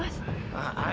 mas mabuk ya mas